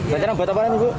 rencana buat apa nanti bu